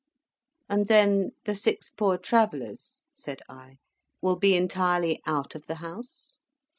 "And then the six Poor Travellers," said I, "will be entirely out of the house?"